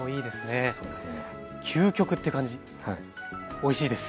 おいしいです。